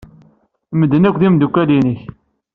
Medden-a akk d imeddukal-nnek?